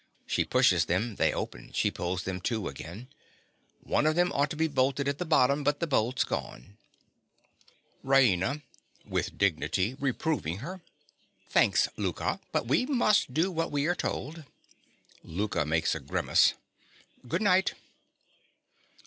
(She pushes them: they open: she pulls them to again.) One of them ought to be bolted at the bottom; but the bolt's gone. RAINA. (with dignity, reproving her). Thanks, Louka; but we must do what we are told. (Louka makes a grimace.) Good night.